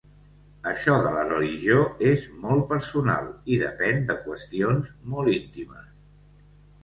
Això de la religió és molt personal i depèn de qüestions molt íntimes.